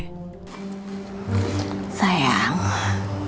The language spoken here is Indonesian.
ibu pasti nyesel udah salah menilai om roy